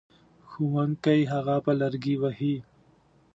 ښوونکی هغه په لرګي وهي.